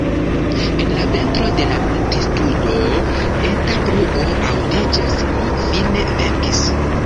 En la ventro de la testudo, eta bruo aŭdiĝas: "Mi fine venkis!"